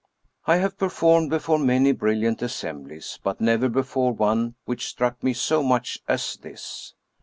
I have performed before many brilliant assemblies, but never before one which struck me so much as this.